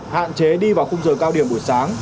hạn chế đi vào khung giờ cao điểm buổi sáng